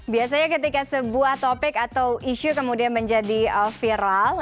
biasanya ketika sebuah topik atau isu kemudian menjadi viral